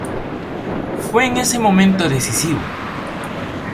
Fue en ese momento decisivo.